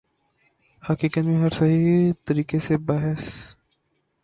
حقیقت پر صحیح طریقہ سے بحث